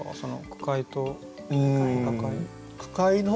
句会と歌会？